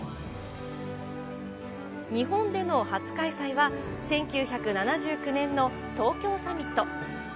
日本での初開催は、１９７９年の東京サミット。